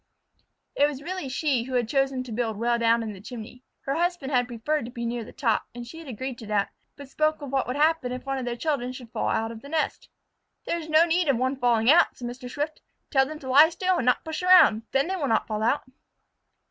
It was really she who had chosen to build well down in the chimney. Her husband had preferred to be near the top, and she had agreed to that, but spoke of what would happen if one of their children should fall out of the nest. "There is no need of one falling out," said Mr. Swift. "Tell them to lie still and not push around. Then they will not fall out."